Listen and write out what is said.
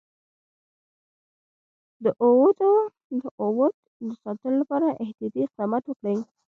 د اَوَد د ساتلو لپاره احتیاطي اقدامات وکړي.